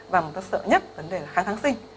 và người ta sợ nhất vấn đề là kháng kháng sinh